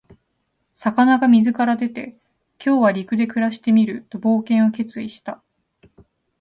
魚が水から出て、「今日は陸で暮らしてみる」と冒険を決意した。